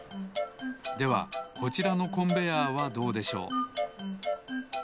ではこちらのコンベヤーはどうでしょう。